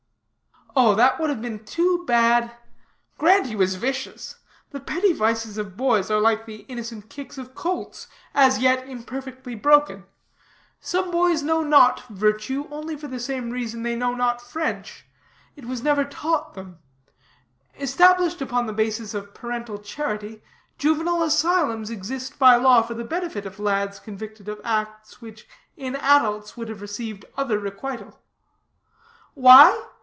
"Oh that would have been too bad. Grant he was vicious. The petty vices of boys are like the innocent kicks of colts, as yet imperfectly broken. Some boys know not virtue only for the same reason they know not French; it was never taught them. Established upon the basis of parental charity, juvenile asylums exist by law for the benefit of lads convicted of acts which, in adults, would have received other requital. Why?